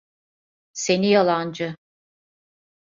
Seni yalancı!